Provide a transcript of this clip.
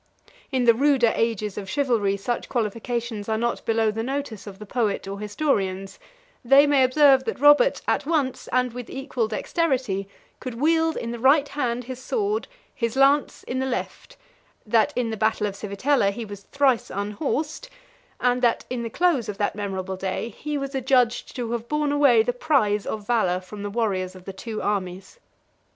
In the ruder ages of chivalry, such qualifications are not below the notice of the poet or historians: they may observe that Robert, at once, and with equal dexterity, could wield in the right hand his sword, his lance in the left; that in the battle of Civitella he was thrice unhorsed; and that in the close of that memorable day he was adjudged to have borne away the prize of valor from the warriors of the two armies.